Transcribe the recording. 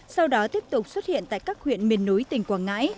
sau đó tiếp tục xuất hiện tại các huyện miền núi tỉnh quảng ngãi